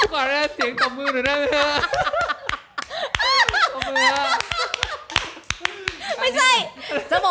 ก่อนได้เสียงตอบมือหนูได้ไหมครับ